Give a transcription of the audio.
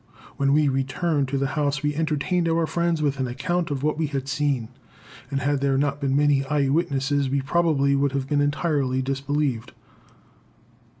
When we returned to the house we entertained our friends with an account of what we had seen, and had there not been many eye witnesses we probably would have been entirely disbelieved.